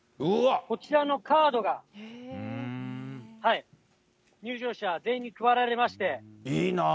こちらのカードが入場者全員に配られまして。